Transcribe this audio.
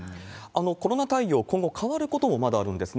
コロナ対応、今後、変わることもまだあるんですね。